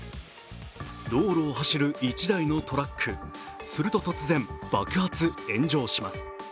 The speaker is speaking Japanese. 道路を走る一台のトラック、すると突然、爆発、炎上します。